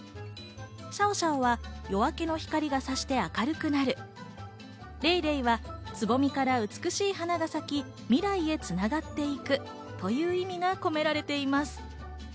シャオシャオは夜明けの光が射して明るくなる、レイレイは、蕾から美しい花が咲き、未来へ繋がっていくという意味が込められています。